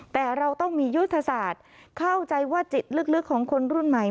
แต่เราต้องมียุทธศาสตร์เข้าใจว่าจิตลึกของคนรุ่นใหม่